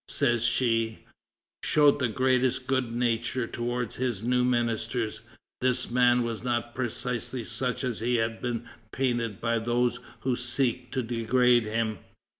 says she, "showed the greatest good nature towards his new ministers; this man was not precisely such as he has been painted by those who seek to degrade him."